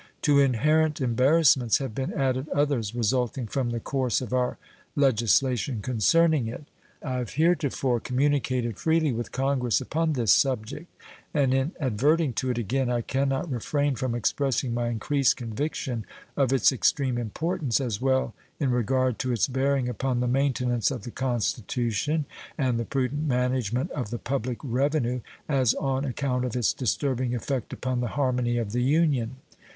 To inherent embarrassments have been added others resulting from the course of our legislation concerning it. I have heretofore communicated freely with Congress upon this subject, and in adverting to it again I can not refrain from expressing my increased conviction of its extreme importance as well in regard to its bearing upon the maintenance of the Constitution and the prudent management of the public revenue as on account of its disturbing effect upon the harmony of the Union.